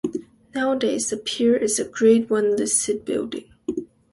Nowadays the pier is a grade one listed building.